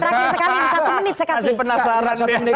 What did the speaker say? terakhir sekali satu menit saya kasih